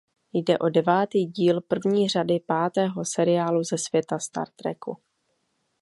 Jde o devátý díl první řady pátého seriálu ze světa Star Treku.